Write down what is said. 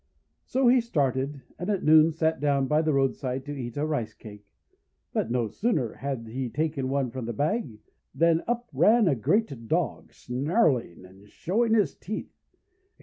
So he started, and at noon sat down by the roadside to eat a Rice Cake. But no sooner had he taken one from the bag than up ran a great Dog, snarling and showing his teeth.